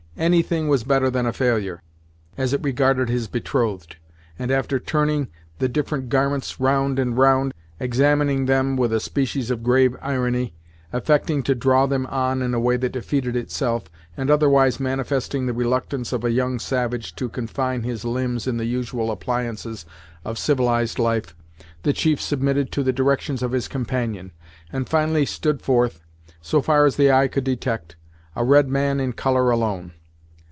Any thing was better than a failure, as it regarded his betrothed, and, after turning the different garments round and round, examining them with a species of grave irony, affecting to draw them on in a way that defeated itself, and otherwise manifesting the reluctance of a young savage to confine his limbs in the usual appliances of civilized life, the chief submitted to the directions of his companion, and finally stood forth, so far as the eye could detect, a red man in colour alone.